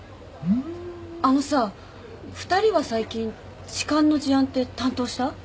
あのさ２人は最近痴漢の事案って担当した？